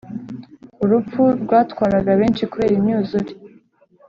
urupfu rwatwaraga benshi kubera imyuzure.